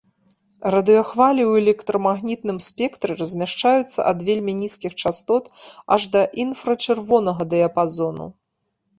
Радыёхвалі ў электрамагнітным спектры размяшчаюцца ад вельмі нізкіх частот аж да інфрачырвонага дыяпазону.